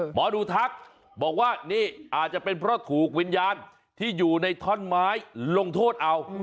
หมอดูทักบอกว่านี่อาจจะเป็นเพราะถูกวิญญาณที่อยู่ในท่อนไม้ลงโทษเอา